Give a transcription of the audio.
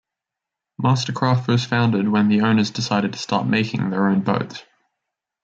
MasterCraft was founded when the owners decided to start making their own boats.